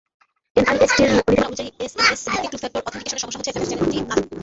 এনআইএসটির নীতিমালা অনুযায়ী, এসএমএস-ভিত্তিক টু-ফ্যাক্টর অথেনটিকেশনের সমস্যা হচ্ছে এসএমএস চ্যানেলটি নাজুক।